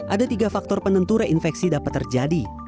ada tiga faktor penentu reinfeksi dapat terjadi